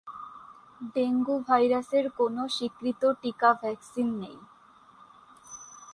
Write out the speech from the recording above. Dengue ভাইরাসের কোন স্বীকৃত টিকা ভ্যাকসিন নেই।